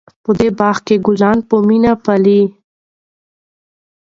په دې باغ کې ګلان په مینه پالي.